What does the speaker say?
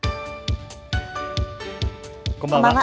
こんばんは。